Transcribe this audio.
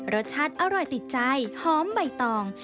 รสชาติอร่อยติดใจหอมใบตอง